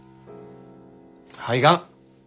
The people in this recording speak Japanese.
肺がん。